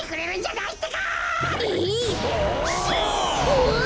うわ！